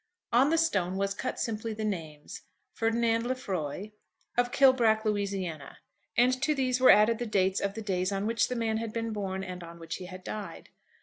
On the stone was cut simply the names, Ferdinand Lefroy of Kilbrack, Louisiana; and to these were added the dates of the days on which the man had been born and on which he died.